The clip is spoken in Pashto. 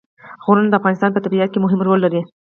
غرونه د افغانستان په طبیعت کې مهم رول لري.